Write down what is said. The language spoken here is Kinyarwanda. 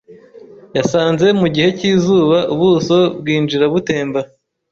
yasanze mu gihe cyizuba ubuso bwinjira butemba